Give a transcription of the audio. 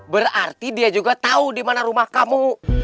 berarti dia juga tahu di mana rumah kamu